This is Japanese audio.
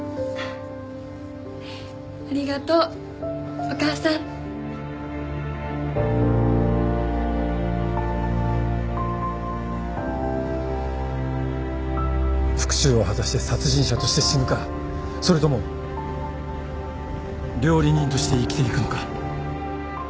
ありがとうお母さん復讐を果たして殺人者として死ぬかそれとも料理人として生きていくのか。